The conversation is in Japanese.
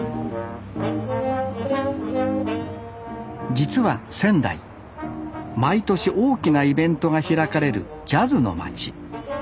実は仙台毎年大きなイベントが開かれるジャズの街。